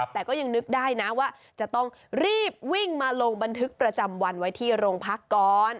แต่ก็ยังนึกได้นะว่าจะต้องรีบวิ่งมาลงบันทึกประจำวันไว้ที่โรงพักก่อน